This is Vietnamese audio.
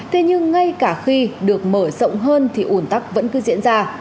thế nhưng ngay cả khi được mở rộng hơn thì ủn tắc vẫn cứ diễn ra